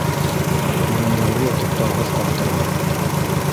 Ирендәре лә туҡтауһыҙ ҡалтырай.